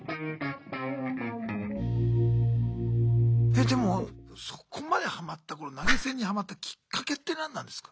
えでもそこまでハマったこの投げ銭にハマったきっかけって何なんですか？